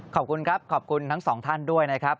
ขอบคุณครับขอบคุณทั้งสองท่านด้วยนะครับ